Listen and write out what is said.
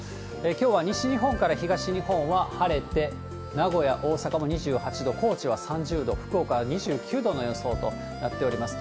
きょうは西日本から東日本は晴れて、名古屋、大阪も２８度、高知は３０度、福岡は２９度の予想となっております。